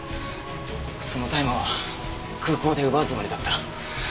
その大麻は空港で奪うつもりだった。